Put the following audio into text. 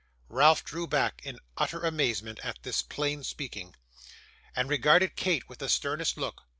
Ralph drew back in utter amazement at this plain speaking, and regarded Kate with the sternest look.